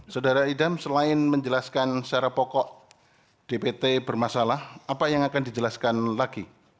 saudara idam selain menjelaskan secara pokok dpt bermasalah apa yang akan dijelaskan lagi